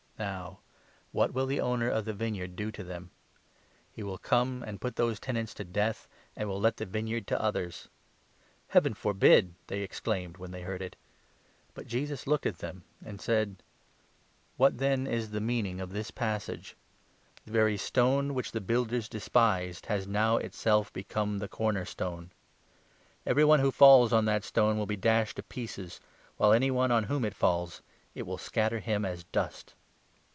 15 Now what will the owner of the vineyard do to them ? He will 16 come and put those tenants to death, and will let the vineyard to others." " Heaven forbid !" they exclaimed when they heard it. But 17 Jesus looked at them and said :" What then is the meaning of this passage ?—' The very stone which the builders despised Has now itself become the corner stone.' Every one who falls on that stone will be dashed to pieces, while 18 any one on whom it falls — it will scatter him as dust."